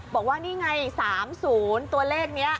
บอกว่านี่ไง๓๐ตัวเลขนี้